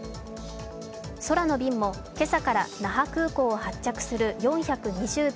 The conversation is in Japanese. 空の便も今朝から那覇空港を発着する４２０便